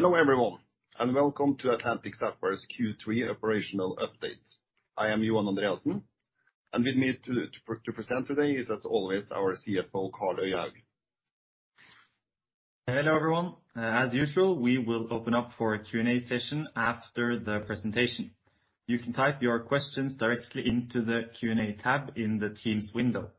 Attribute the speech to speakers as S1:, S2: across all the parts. S1: Hello everyone, and welcome to Atlantic Sapphire's Q3 Operational Update. I am Johan Andreassen, and with me to present today is, as always, our CFO, Karl Øystein Øyehaug
S2: Hello, everyone. As usual, we will open up for a Q&A session after the presentation. You can type your questions directly into the Q&A tab in the Teams window.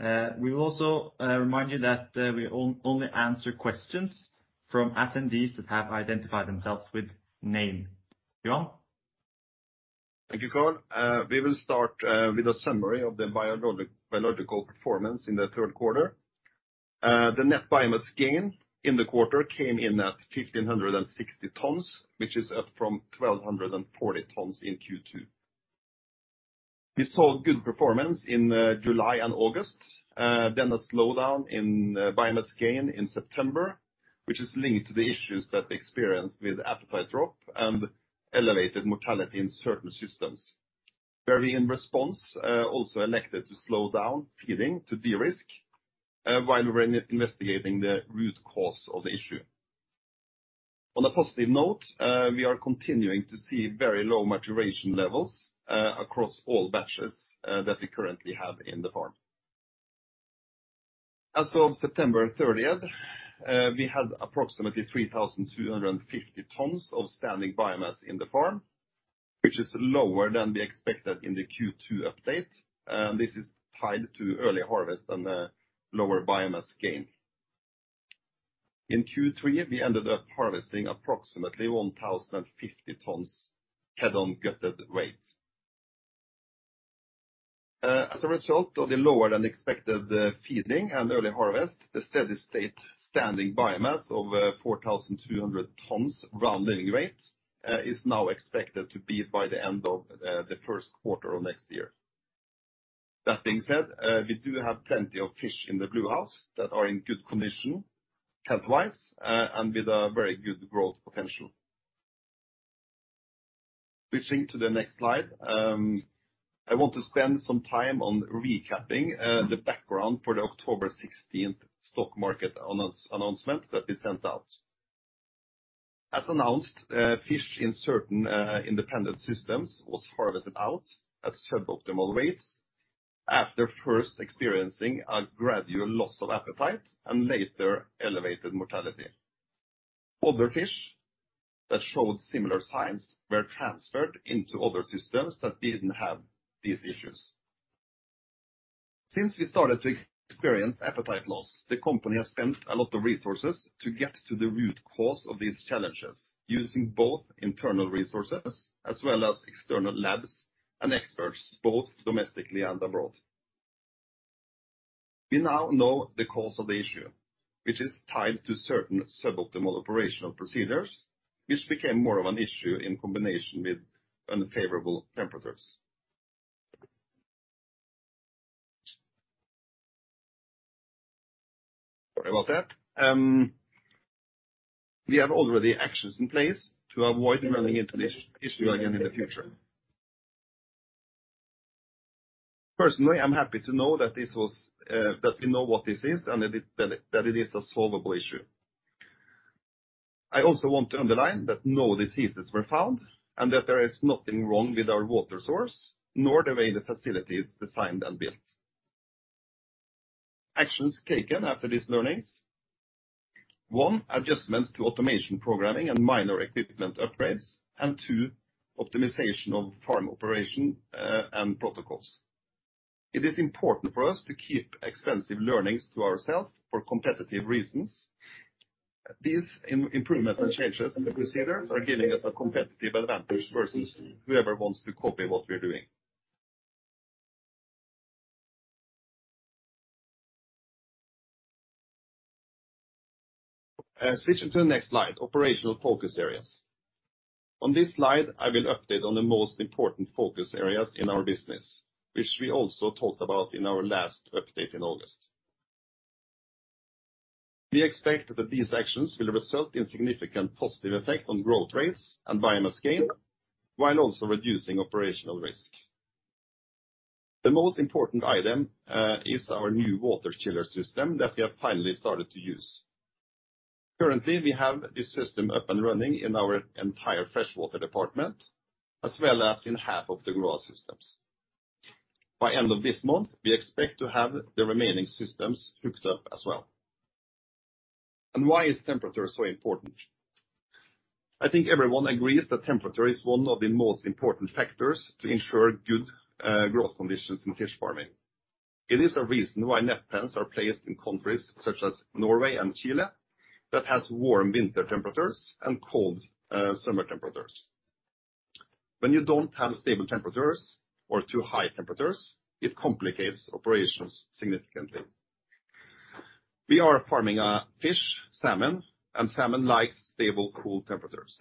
S2: We will also remind you that we only answer questions from attendees that have identified themselves with name. Johan.
S1: Thank you, Karl. We will start with a summary of the biological performance in the third quarter. The net biomass gain in the quarter came in at 1,560 tons, which is up from 1,240 tons in Q2. We saw good performance in July and August, then a slowdown in biomass gain in September, which is linked to the issues that they experienced with appetite drop and elevated mortality in certain systems. In response, we also elected to slow down feeding to de-risk while we were investigating the root cause of the issue. On a positive note, we are continuing to see very low maturation levels across all batches that we currently have in the farm. As of September 30, we had approximately 3,250 tons of standing biomass in the farm, which is lower than we expected in the Q2 update. This is tied to early harvest and lower biomass gain. In Q3, we ended up harvesting approximately 1,050 tons head on gutted weight. As a result of the lower than expected feeding and early harvest, the steady-state standing biomass of 4,200 tons round live weight is now expected to be by the end of the first quarter of next year. That being said, we do have plenty of fish in the Bluehouse that are in good condition health-wise and with a very good growth potential. Switching to the next slide, I want to spend some time on recapping the background for the October sixteenth stock market announcement that we sent out. As announced, fish in certain independent systems was harvested out at suboptimal rates after first experiencing a gradual loss of appetite and later elevated mortality. Other fish that showed similar signs were transferred into other systems that didn't have these issues. Since we started to experience appetite loss, the company has spent a lot of resources to get to the root cause of these challenges using both internal resources as well as external labs and experts, both domestically and abroad. We now know the cause of the issue, which is tied to certain suboptimal operational procedures, which became more of an issue in combination with unfavorable temperatures. Sorry about that. We already have actions in place to avoid running into this issue again in the future. Personally, I'm happy to know that this was that we know what this is and that it is a solvable issue. I also want to underline that no diseases were found and that there is nothing wrong with our water source, nor the way the facility is designed and built. Actions taken after these learnings. One, adjustments to automation programming and minor equipment upgrades, and two, optimization of farm operation and protocols. It is important for us to keep expensive learnings to ourself for competitive reasons. These improvements and changes in the procedures are giving us a competitive advantage versus whoever wants to copy what we're doing. Switching to the next slide, operational focus areas. On this slide, I will update on the most important focus areas in our business, which we also talked about in our last update in August. We expect that these actions will result in significant positive effect on growth rates and biomass gain, while also reducing operational risk. The most important item is our new water chiller system that we have finally started to use. Currently, we have this system up and running in our entire freshwater department, as well as in half of the grow out systems. By end of this month, we expect to have the remaining systems hooked up as well. Why is temperature so important? I think everyone agrees that temperature is one of the most important factors to ensure good growth conditions in fish farming. It is a reason why net pens are placed in countries such as Norway and Chile that has warm winter temperatures and cold, summer temperatures. When you don't have stable temperatures or too high temperatures, it complicates operations significantly. We are farming a fish, salmon, and salmon likes stable, cool temperatures.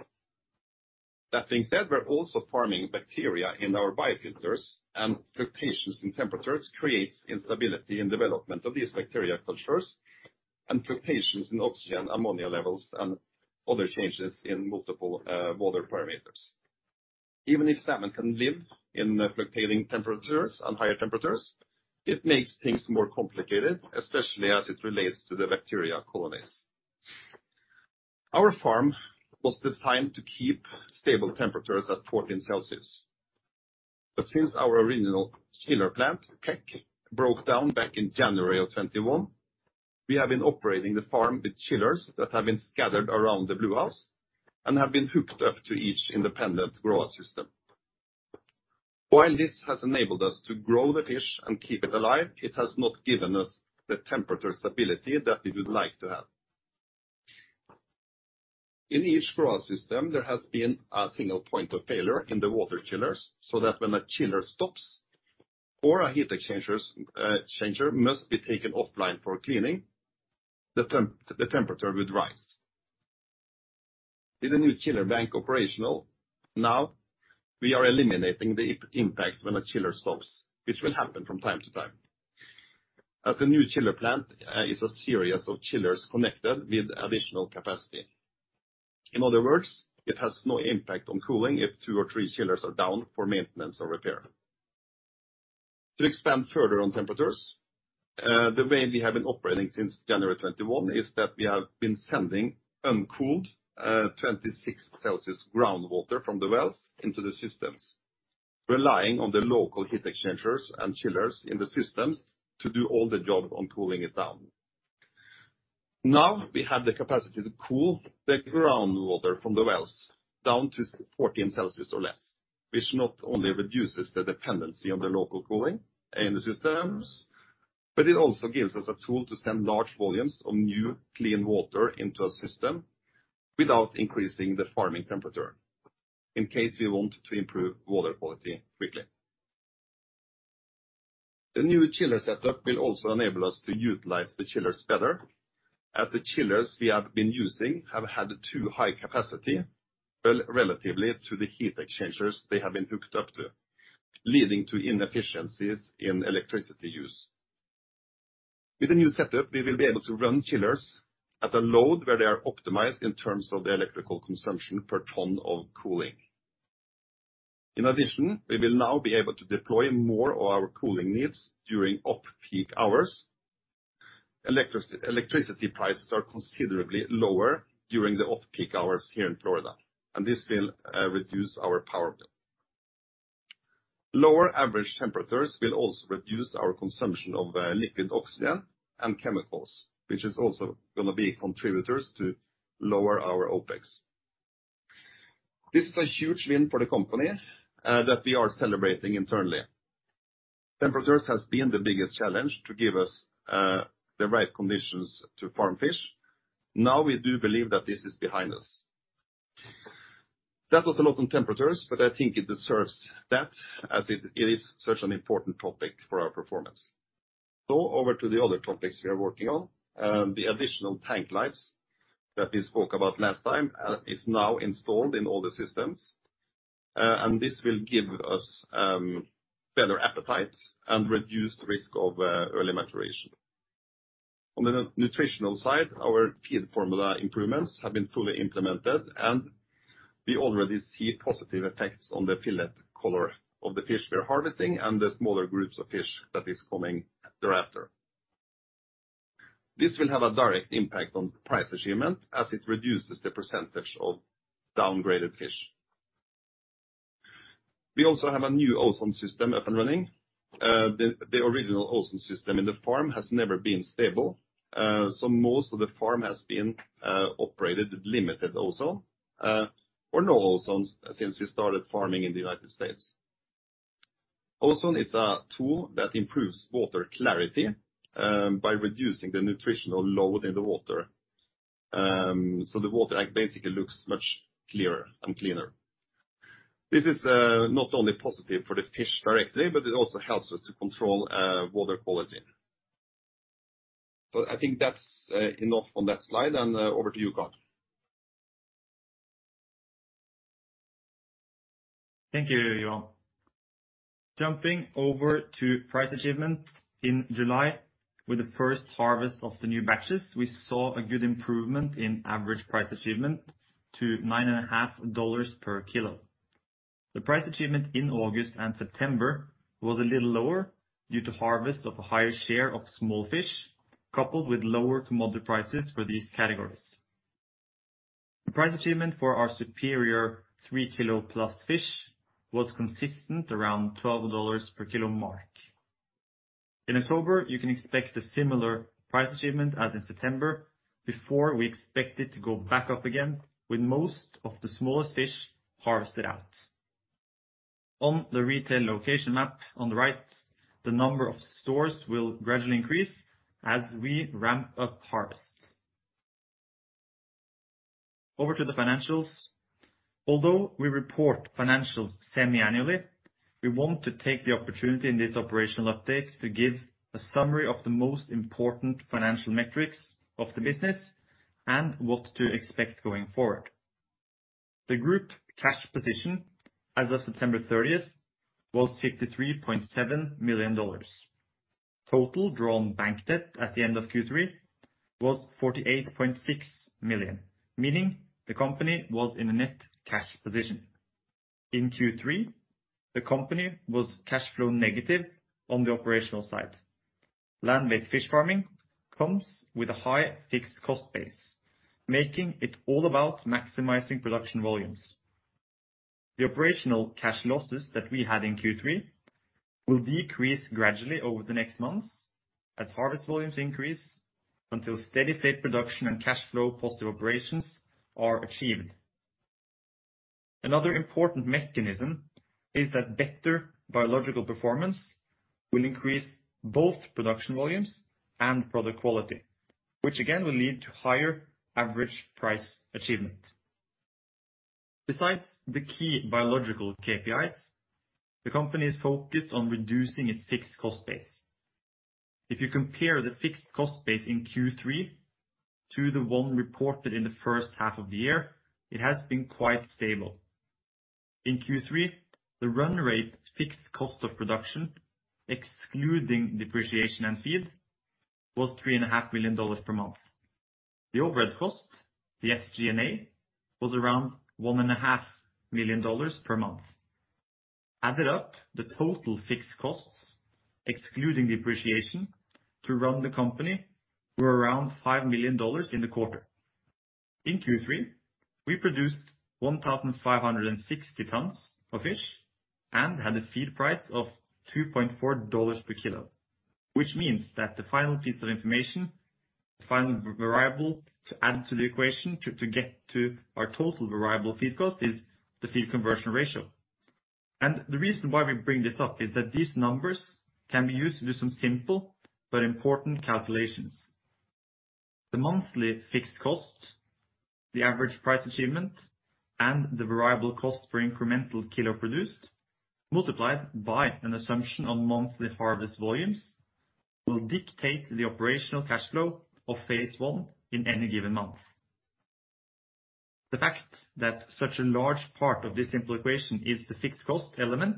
S1: That being said, we're also farming bacteria in our biofilters, and fluctuations in temperatures creates instability in development of these bacteria cultures and fluctuations in oxygen, ammonia levels, and other changes in multiple, water parameters. Even if salmon can live in fluctuating temperatures and higher temperatures, it makes things more complicated, especially as it relates to the bacteria colonies. Our farm was designed to keep stable temperatures at 14 degrees Celsius. Since our original chiller plant, KEK, broke down back in January of 2021, we have been operating the farm with chillers that have been scattered around the Bluehouse and have been hooked up to each independent grower system. While this has enabled us to grow the fish and keep it alive, it has not given us the temperature stability that we would like to have. In each grower system, there has been a single point of failure in the water chillers, so that when a chiller stops or a heat exchanger must be taken offline for cleaning, the temperature would rise. In the new chiller bank operational now, we are eliminating the impact when a chiller stops, which will happen from time to time, as the new chiller plant is a series of chillers connected with additional capacity. In other words, it has no impact on cooling if two or three chillers are down for maintenance or repair. To expand further on temperatures, the way we have been operating since January 2021 is that we have been sending uncooled, 26 degrees Celsius groundwater from the wells into the systems, relying on the local heat exchangers and chillers in the systems to do all the job on cooling it down. Now we have the capacity to cool the groundwater from the wells down to 14 degrees Celsius or less, which not only reduces the dependency on the local cooling in the systems, but it also gives us a tool to send large volumes of new clean water into a system without increasing the farming temperature, in case we want to improve water quality quickly. The new chiller setup will also enable us to utilize the chillers better, as the chillers we have been using have had too high capacity well, relatively to the heat exchangers they have been hooked up to, leading to inefficiencies in electricity use. With the new setup, we will be able to run chillers at a load where they are optimized in terms of the electrical consumption per ton of cooling. In addition, we will now be able to deploy more of our cooling needs during off-peak hours. Electricity prices are considerably lower during the off-peak hours here in Florida, and this will reduce our power bill. Lower average temperatures will also reduce our consumption of liquid oxygen and chemicals, which is also gonna be contributors to lower our OpEx. This is a huge win for the company that we are celebrating internally. Temperatures has been the biggest challenge to give us the right conditions to farm fish. Now we do believe that this is behind us. That was a lot on temperatures, but I think it deserves that as it is such an important topic for our performance. Over to the other topics we are working on. The additional tank lights that we spoke about last time is now installed in all the systems. This will give us better appetite and reduce risk of early maturation. On the nutritional side, our feed formula improvements have been fully implemented, and we already see positive effects on the fillet color of the fish we are harvesting and the smaller groups of fish that is coming thereafter. This will have a direct impact on price achievement as it reduces the percentage of downgraded fish. We also have a new ozone system up and running. The original ozone system in the farm has never been stable, so most of the farm has been operated with limited ozone or no ozone since we started farming in the United States. Ozone is a tool that improves water clarity by reducing the nutritional load in the water. The water basically looks much clearer and cleaner. This is not only positive for the fish directly, but it also helps us to control water quality. I think that's enough on that slide, and over to you, Karl.
S2: Thank you, Johan. Jumping over to price achievement in July, with the first harvest of the new batches, we saw a good improvement in average price achievement to $9.50 per kilo. The price achievement in August and September was a little lower due to harvest of a higher share of small fish, coupled with lower commodity prices for these categories. The price achievement for our superior 3 kilo plus fish was consistent around $12 per kilo mark. In October, you can expect a similar price achievement as in September before we expect it to go back up again with most of the smallest fish harvested out. On the retail location map on the right, the number of stores will gradually increase as we ramp up harvest. Over to the financials. Although we report financials semi-annually, we want to take the opportunity in this operational update to give a summary of the most important financial metrics of the business and what to expect going forward. The group cash position as of September 30th was $53.7 million. Total drawn bank debt at the end of Q3 was $48.6 million, meaning the company was in a net cash position. In Q3, the company was cash flow negative on the operational side. Land-based fish farming comes with a high fixed cost base, making it all about maximizing production volumes. The operational cash losses that we had in Q3 will decrease gradually over the next months as harvest volumes increase until steady state production and cash flow positive operations are achieved. Another important mechanism is that better biological performance will increase both production volumes and product quality, which again will lead to higher average price achievement. Besides the key biological KPIs, the company is focused on reducing its fixed cost base. If you compare the fixed cost base in Q3 to the one reported in the first half of the year, it has been quite stable. In Q3, the run rate fixed cost of production, excluding depreciation and feed, was $3.5 million per month. The overhead cost, the SG&A, was around $1.5 million per month. Added up, the total fixed costs, excluding depreciation to run the company, were around $5 million in the quarter. In Q3, we produced 1,560 tons of fish and had a feed price of $2.4 per kilo, which means that the final piece of information, the final variable to add to the equation to get to our total variable feed cost is the feed conversion ratio. The reason why we bring this up is that these numbers can be used to do some simple but important calculations. The monthly fixed cost, the average price achievement, and the variable cost for incremental kilo produced, multiplied by an assumption on monthly harvest volumes, will dictate the operational cash flow of phase I in any given month. The fact that such a large part of this simple equation is the fixed cost element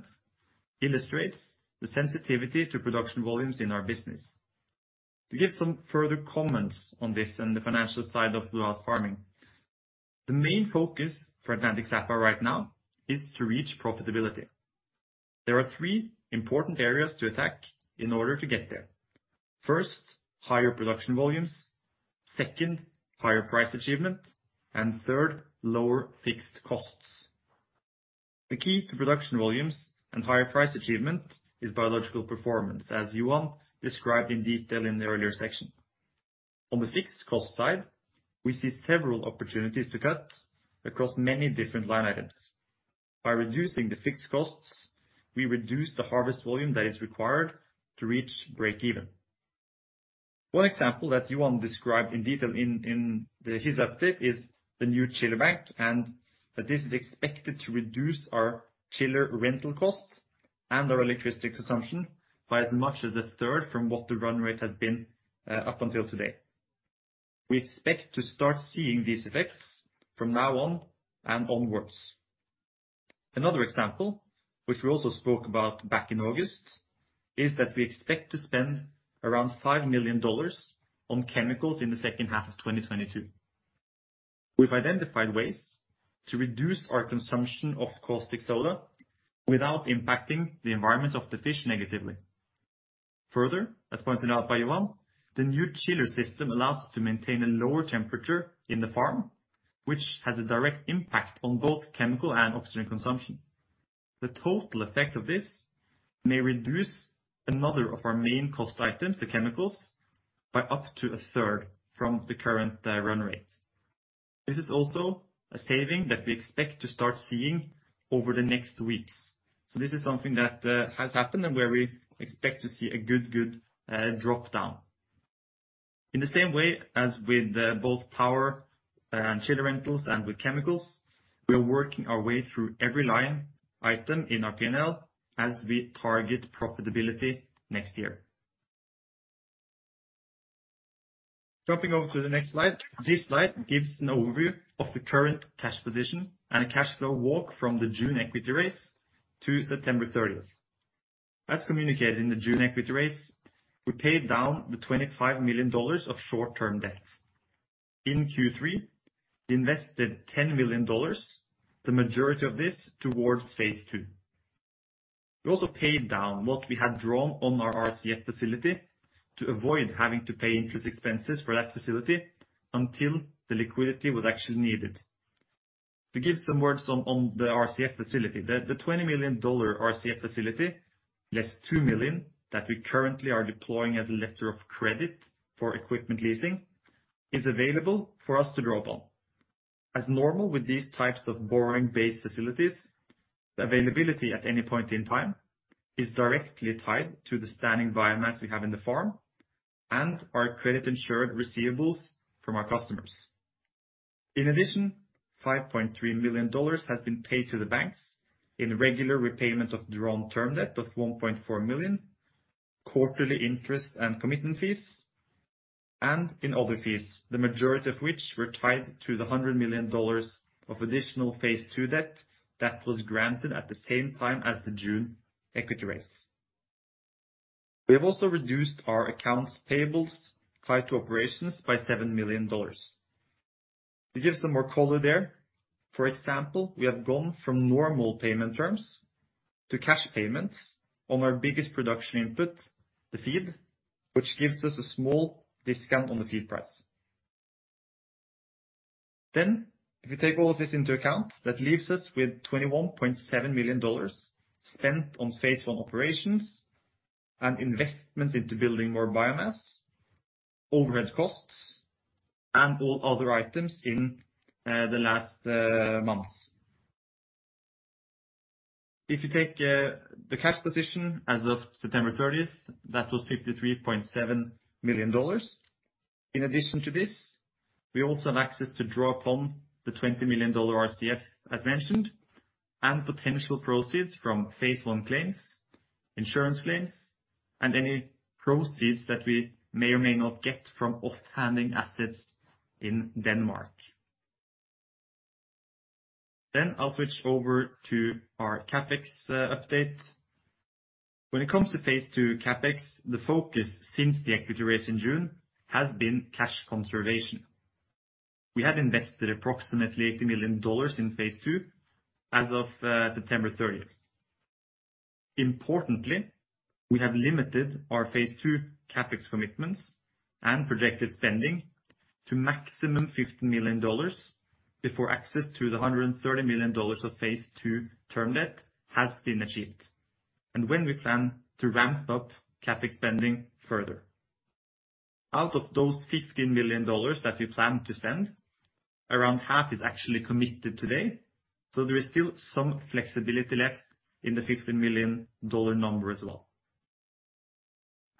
S2: illustrates the sensitivity to production volumes in our business. To give some further comments on this and the financial side of Bluehouse Farming, the main focus for Atlantic Sapphire right now is to reach profitability. There are three important areas to attack in order to get there. First, higher production volumes. Second, higher price achievement. Third, lower fixed costs. The key to production volumes and higher price achievement is biological performance, as Johan described in detail in the earlier section. On the fixed cost side, we see several opportunities to cut across many different line items. By reducing the fixed costs, we reduce the harvest volume that is required to reach break-even. One example that Johan described in detail in his update is the new chiller bank, and that this is expected to reduce our chiller rental costs and our electricity consumption by as much as a third from what the run rate has been up until today. We expect to start seeing these effects from now on and onwards. Another example, which we also spoke about back in August, is that we expect to spend around $5 million on chemicals in the second half of 2022. We've identified ways to reduce our consumption of caustic soda without impacting the environment of the fish negatively. Further, as pointed out by Johan, the new chiller system allows us to maintain a lower temperature in the farm, which has a direct impact on both chemical and oxygen consumption. The total effect of this may reduce another of our main cost items, the chemicals, by up to a third from the current run rates. This is also a saving that we expect to start seeing over the next weeks. This is something that has happened and where we expect to see a good drop down. In the same way as with both power and chiller rentals and with chemicals, we are working our way through every line item in our P&L as we target profitability next year. Jumping over to the next slide. This slide gives an overview of the current cash position and a cash flow walk from the June equity raise to September 30th. As communicated in the June equity raise, we paid down the $25 million of short-term debt. In Q3, we invested $10 million, the majority of this towards phase II. We also paid down what we had drawn on our RCF facility to avoid having to pay interest expenses for that facility until the liquidity was actually needed. To give some words on the RCF facility, the $20 million RCF facility, less $2 million that we currently are deploying as a letter of credit for equipment leasing, is available for us to draw upon. As normal with these types of borrowing-based facilities, the availability at any point in time is directly tied to the standing biomass we have in the farm and our credit-insured receivables from our customers. In addition, $5.3 million has been paid to the banks in regular repayment of drawn term debt of $1.4 million, quarterly interest and commitment fees. In other fees, the majority of which were tied to the $100 million of additional phase II debt that was granted at the same time as the June equity raise. We have also reduced our accounts payables tied to operations by $7 million. To give some more color there, for example, we have gone from normal payment terms to cash payments on our biggest production input, the feed, which gives us a small discount on the feed price. If you take all of this into account, that leaves us with $21.7 million spent on phase I operations and investments into building more biomass, overhead costs, and all other items in the last months. If you take the cash position as of September 30th, that was $53.7 million. In addition to this, we also have access to draw upon the $20 million RCF as mentioned, and potential proceeds from phase I claims, insurance claims, and any proceeds that we may or may not get from offloading assets in Denmark. I'll switch over to our CapEx update. When it comes to phase II CapEx, the focus since the equity raise in June has been cash conservation. We have invested approximately $80 million in phase II as of September 30th. Importantly, we have limited our phase II CapEx commitments and projected spending to maximum $15 million before access to the $130 million of phase II term debt has been achieved, and when we plan to ramp up CapEx spending further. Out of those $15 million that we plan to spend, around half is actually committed today, so there is still some flexibility left in the $15 million number as well.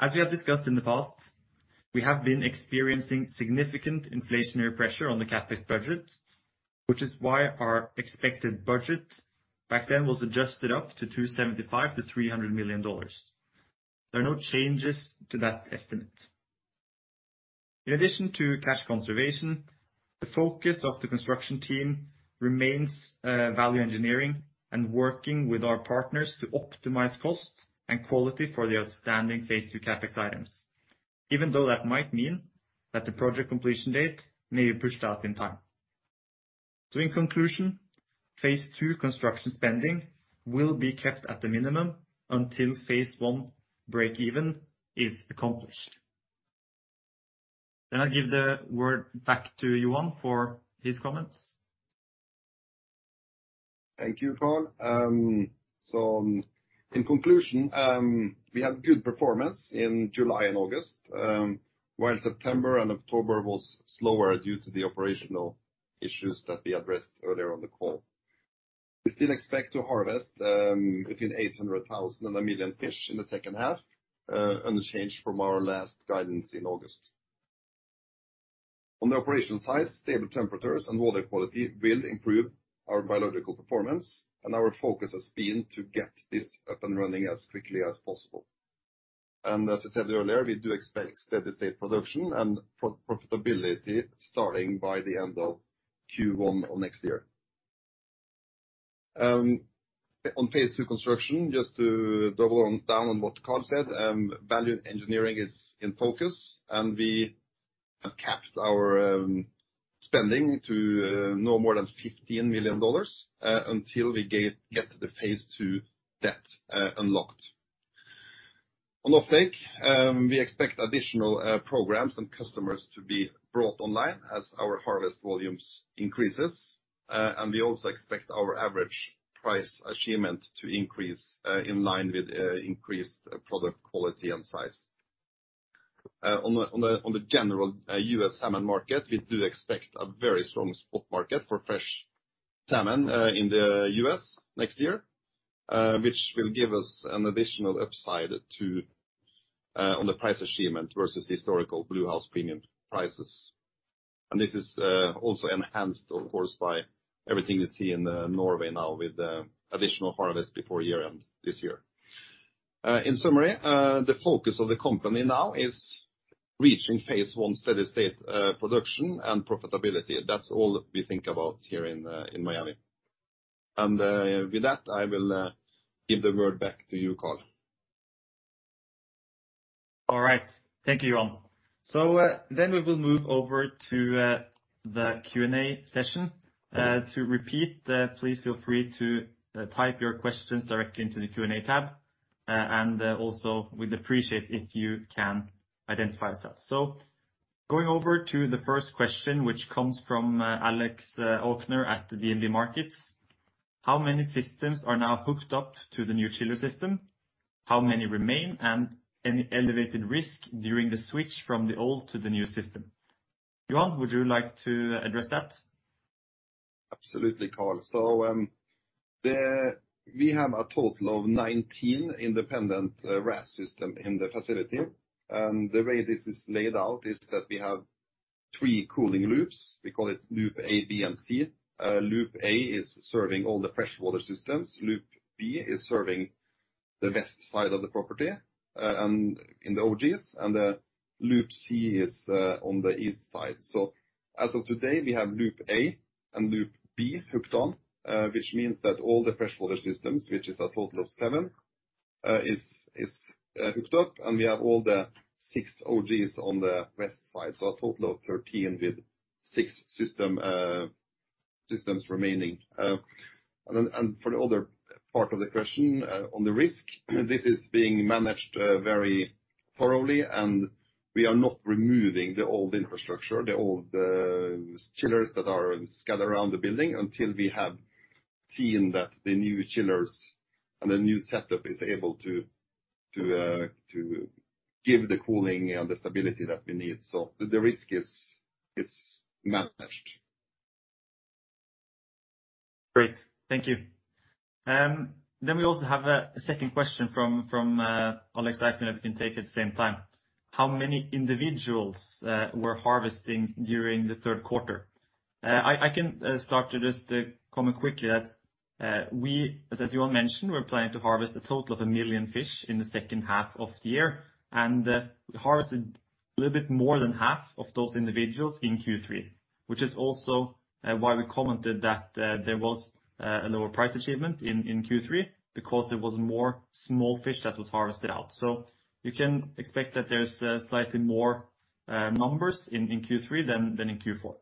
S2: As we have discussed in the past, we have been experiencing significant inflationary pressure on the CapEx budget, which is why our expected budget back then was adjusted up to $275 million-$300 million. There are no changes to that estimate. In addition to cash conservation, the focus of the construction team remains value engineering and working with our partners to optimize cost and quality for the outstanding phase II CapEx items. Even though that might mean that the project completion date may be pushed out in time. In conclusion, phase II construction spending will be kept at the minimum until phase I breakeven is accomplished. I give the word back to Johan for his comments.
S1: Thank you, Karl. In conclusion, we had good performance in July and August, while September and October was slower due to the operational issues that we addressed earlier on the call. We still expect to harvest between 800,000 and 1 million fish in the second half, unchanged from our last guidance in August. On the operations side, stable temperatures and water quality will improve our biological performance, and our focus has been to get this up and running as quickly as possible. As I said earlier, we do expect steady state production and profitability starting by the end of Q1 of next year. On phase II construction, just to double down on what Karl said, value engineering is in focus and we have capped our spending to no more than $15 million until we get the phase II debt unlocked. On fake, we expect additional programs and customers to be brought online as our harvest volumes increases. We also expect our average price achievement to increase in line with increased product quality and size. On the general U.S. salmon market, we do expect a very strong spot market for fresh salmon in the U.S. next year, which will give us an additional upside on the price achievement versus historical Bluehouse premium prices. This is also enhanced, of course, by everything we see in Norway now with the additional harvest before year-end this year. In summary, the focus of the company now is reachingphase I steady state production and profitability. That's all that we think about here in Miami. With that, I will give the word back to you, Karl
S2: All right. Thank you, Johan. Then we will move over to the Q&A session. To repeat, please feel free to type your questions directly into the Q&A tab. Also we'd appreciate if you can identify yourself. Going over to the first question, which comes from Alex Aukner at DNB Markets. How many systems are now hooked up to the new chiller system? How many remain? And any elevated risk during the switch from the old to the new system? Johan, would you like to address that?
S1: Absolutely, Karl We have a total of 19 independent RAS systems in the facility. The way this is laid out is that we have 3 cooling loops. We call it loop A, B, and C. Loop A is serving all the fresh water systems. Loop B is serving the west side of the property, and in the OGs. Loop C is on the east side. As of today, we have loop A and loop B hooked up, which means that all the fresh water systems, which is a total of 7, is hooked up, and we have all the 6 OGs on the west side, so a total of 13 with 6 systems remaining. For the other part of the question, on the risk, this is being managed very thoroughly, and we are not removing the old infrastructure, the old chillers that are scattered around the building until we have seen that the new chillers and the new setup is able to give the cooling and the stability that we need. The risk is managed.
S2: Great. Thank you. Then we also have a second question from Alex Aukner, if you can take at the same time. How many individuals were harvesting during the third quarter? I can start to just comment quickly that we, as Johan mentioned, we're planning to harvest a total of 1 million fish in the second half of the year. We harvested a little bit more than half of those individuals in Q3, which is also why we commented that there was a lower price achievement in Q3 because there was more small fish that was harvested out. You can expect that there's slightly more numbers in Q3 than in Q4.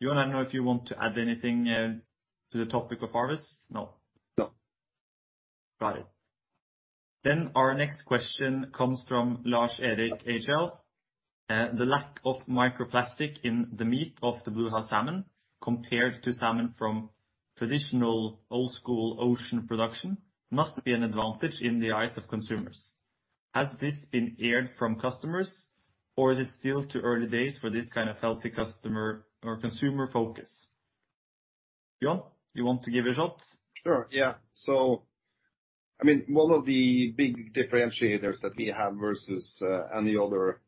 S2: Johan, do you want to add anything to the topic of harvest? No.
S1: No.
S2: Got it. Our next question comes from Lars-Erik Aas. The lack of microplastic in the meat of the Bluehouse Salmon compared to salmon from traditional old school ocean production must be an advantage in the eyes of consumers. Has this been heard from customers, or is it still too early days for this kind of healthy customer or consumer focus? Johan, you want to give a shot?
S1: Sure, yeah. I mean, one of the big differentiators that we have versus any other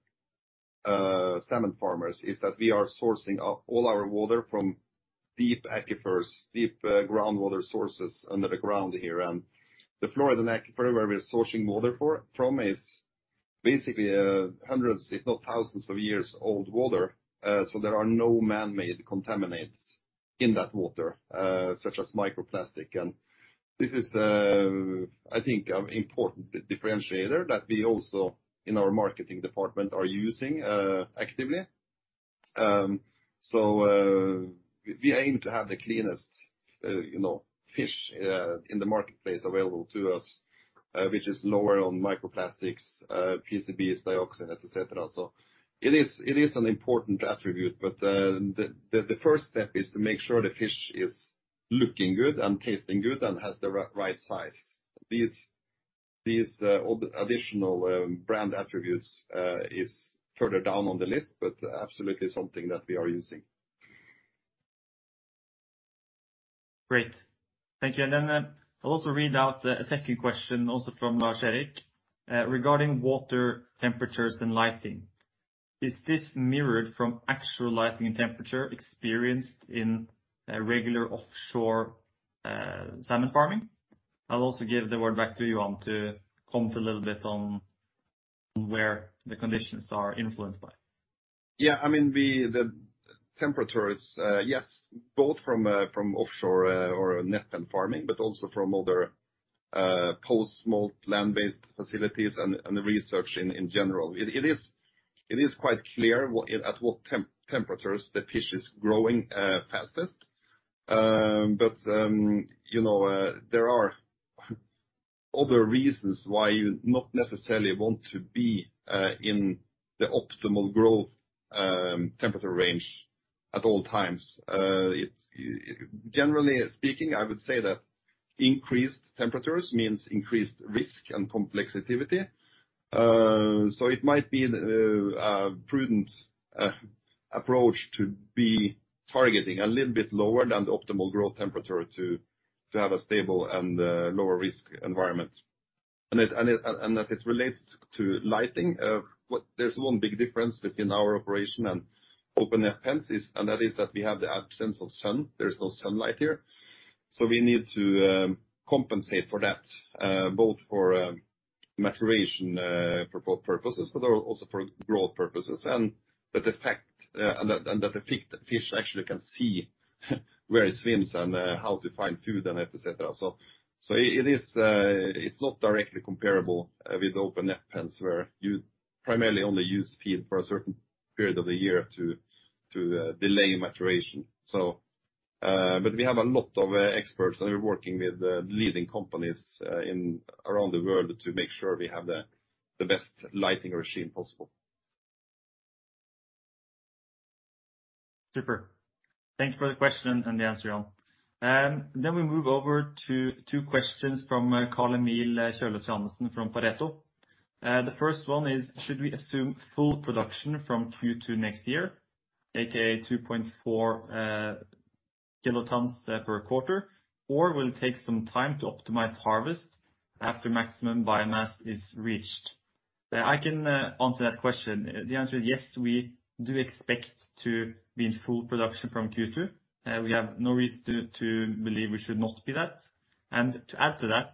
S1: salmon farmers is that we are sourcing all our water from deep aquifers, deep groundwater sources under the ground here. The Floridan aquifer, where we're sourcing water from, is basically hundreds, if not thousands, of years-old water. There are no man-made contaminants in that water, such as microplastics. This is, I think, an important differentiator that we also in our marketing department are using actively. We aim to have the cleanest, you know, fish in the marketplace available to us, which is lower on microplastics, PCBs, dioxin, et cetera. It is an important attribute, but the first step is to make sure the fish is looking good and tasting good and has the right size. These all additional brand attributes is further down on the list, but absolutely something that we are using.
S2: Great. Thank you. Then I'll also read out a second question also from Lars-Erik Aas. Regarding water temperatures and lighting, is this mirrored from actual lighting and temperature experienced in a regular offshore salmon farming? I'll also give the word back to you on to comment a little bit on where the conditions are influenced by.
S1: I mean, the temperatures, yes, both from offshore or net pen farming, but also from other post-smolt land-based facilities and research in general. It is quite clear at what temperatures the fish is growing fastest. But you know, there are other reasons why you not necessarily want to be in the optimal growth temperature range at all times. Generally speaking, I would say that increased temperatures means increased risk and complexity. It might be a prudent approach to be targeting a little bit lower than the optimal growth temperature to have a stable and lower risk environment. As it relates to lighting, there's one big difference between our operation and open net pens, and that is that we have the absence of sun. There's no sunlight here. We need to compensate for that both for maturation purposes but also for growth purposes. The fact that the fish actually can see where it swims and how to find food and et cetera. It is not directly comparable with open net pens where you primarily only use feed for a certain period of the year to delay maturation. We have a lot of experts that are working with the leading companies in and around the world to make sure we have the best lighting regime possible.
S2: Super. Thank you for the question and the answer, Johan. We move over to two questions from Carl-Emil Kjølås Johannessen from Pareto. The first one is: Should we assume full production from Q2 next year, aka 2.4 thousand tons per quarter, or will it take some time to optimize harvest after maximum biomass is reached? I can answer that question. The answer is yes, we do expect to be in full production from Q2. We have no reason to believe we should not be that. To add to that,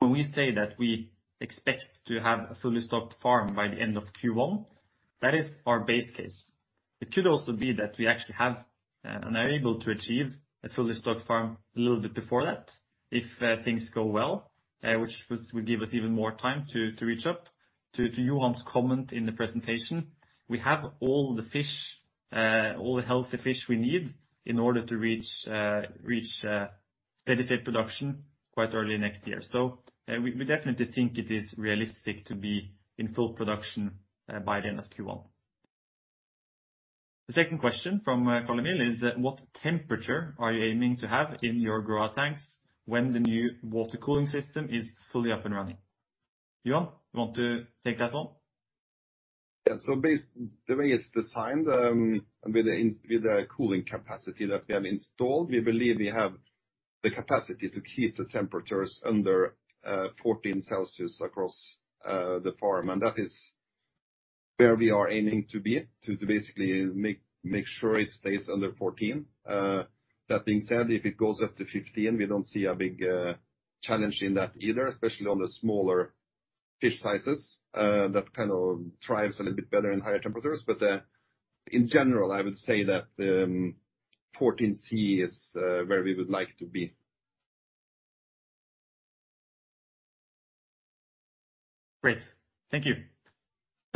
S2: when we say that we expect to have a fully stocked farm by the end of Q1, that is our base case. It could also be that we actually have an ability to achieve a fully stocked farm a little bit before that if things go well, which would give us even more time to ramp up. To Johan's comment in the presentation, we have all the healthy fish we need in order to reach steady state production quite early next year. We definitely think it is realistic to be in full production by the end of Q1. The second question from Carl-Emil Kjølås Johannessen is, what temperature are you aiming to have in your grow out tanks when the new water cooling system is fully up and running? Johan, you want to take that one?
S1: Yeah. The way it's designed, with the cooling capacity that we have installed, we believe we have the capacity to keep the temperatures under 14 degrees Celsius across the farm. That is where we are aiming to be, to basically make sure it stays under 14. That being said, if it goes up to 15, we don't see a big challenge in that either, especially on the smaller fish sizes that kind of thrives a little bit better in higher temperatures. In general, I would say that 14 degrees Celsius is where we would like to be.
S2: Great. Thank you.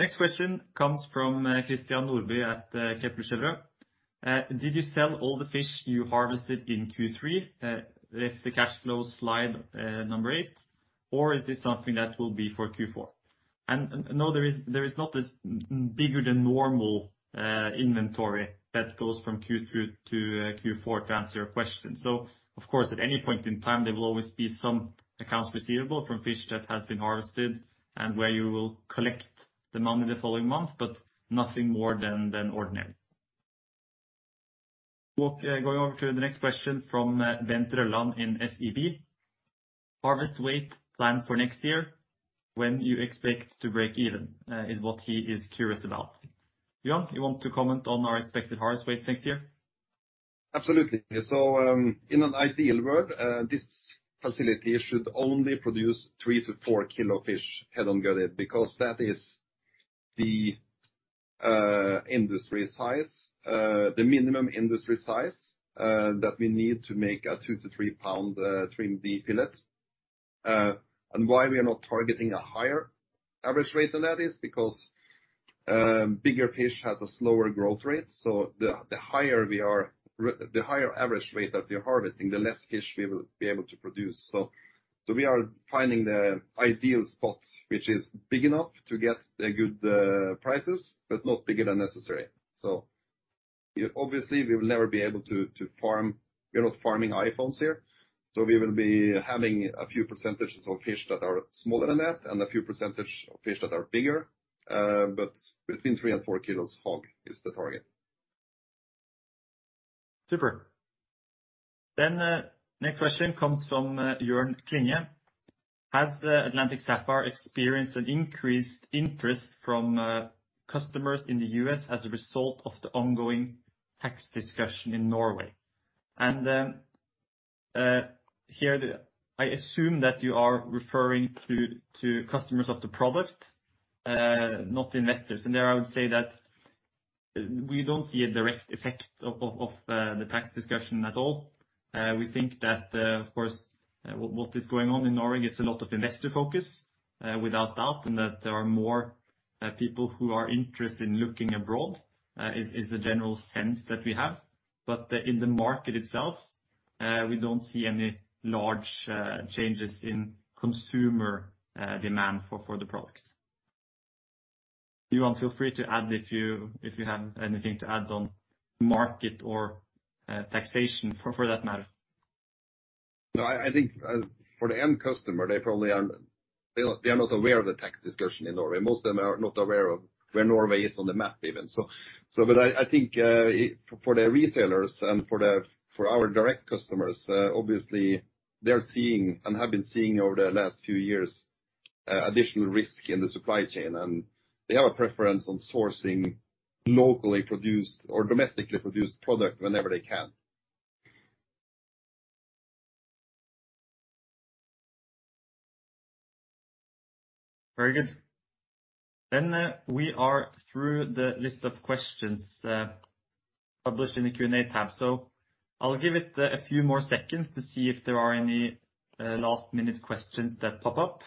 S2: Next question comes from Christian Nordby at Kepler Cheuvreux. Did you sell all the fish you harvested in Q3 with the cash flow slide, number 8? Or is this something that will be for Q4? No, there is not this much bigger than normal inventory that goes from Q2 to Q4 to answer your question. Of course, at any point in time, there will always be some accounts receivable from fish that has been harvested and where you will collect the money the following month, but nothing more than ordinary. Well, going over to the next question Bent Rølland in SEB. Harvest weight plan for next year, when you expect to break even, is what he is curious about. Johan, you want to comment on our expected harvest weight next year?
S1: Absolutely. In an ideal world, this facility should only produce 3-4 kilo fish head on gutted, because that is the industry size, the minimum industry size, that we need to make a 2-3 pound Trim B fillet. Why we are not targeting a higher average rate than that is because bigger fish has a slower growth rate. The higher average rate that we are harvesting, the less fish we will be able to produce. We are finding the ideal spot, which is big enough to get the good prices, but not bigger than necessary. Obviously, we will never be able to farm. We are not farming iPhones here. We will be having a few percentages of fish that are smaller than that and a few percentage of fish that are bigger. Between 3 and 4 kilos HOG is the target.
S2: Super. Next question comes from Jone Klinge. Has Atlantic Sapphire experienced an increased interest from customers in the U.S. as a result of the ongoing tax discussion in Norway? I assume that you are referring to customers of the product, not investors. There I would say that we don't see a direct effect of the tax discussion at all. We think that, of course, what is going on in Norway gets a lot of investor focus, without doubt. That there are more people who are interested in looking abroad is the general sense that we have. In the market itself, we don't see any large changes in consumer demand for the products. Johan, feel free to add if you have anything to add on market or taxation for that matter.
S1: No, I think for the end customer, they are not aware of the tax discussion in Norway. Most of them are not aware of where Norway is on the map even. I think for the retailers and for our direct customers, obviously they are seeing and have been seeing over the last few years additional risk in the supply chain. They have a preference on sourcing locally produced or domestically produced product whenever they can.
S2: Very good. We are through the list of questions published in the Q&A tab. I'll give it a few more seconds to see if there are any last-minute questions that pop up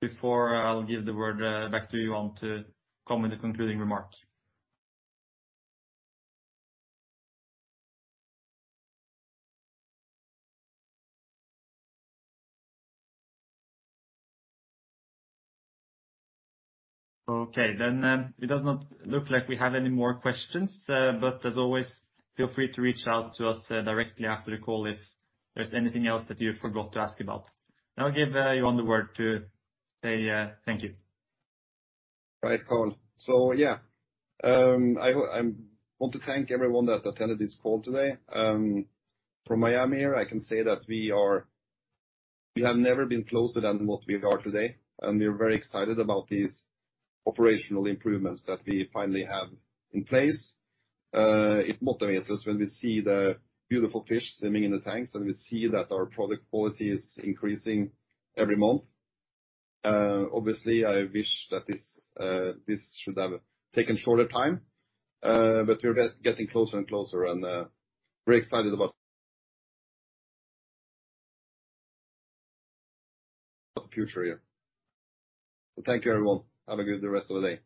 S2: before I'll give the word back to you to come with a concluding remark. Okay. It does not look like we have any more questions. As always, feel free to reach out to us directly after the call if there's anything else that you forgot to ask about. Now I'll give you the word to say thank you.
S1: Right, Karl. Yeah. I want to thank everyone that attended this call today. From Miami here I can say that we have never been closer than what we are today. We are very excited about these operational improvements that we finally have in place. It motivates us when we see the beautiful fish swimming in the tanks and we see that our product quality is increasing every month. Obviously, I wish that this should have taken shorter time, but we're getting closer and closer and very excited about the future here. Thank you, everyone. Have a good rest of the day.